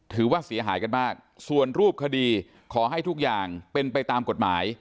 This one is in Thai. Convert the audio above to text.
ถือว่าเสียหายกันมากส่วนรูปคดีขอให้ทุกอย่างเป็นไปตามกฎหมาย